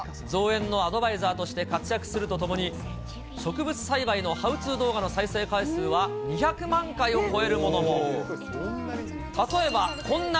造園のアドバイザーとして活躍するとともに、植物栽培のハウツー動画の再生回数は、２００万回を超えるものも。